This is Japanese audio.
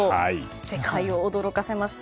世界を驚かせました。